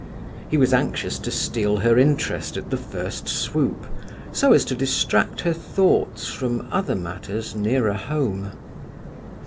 He was anxious to steal her interest at the first swoop, so as to distract her thoughts from other matters nearer home.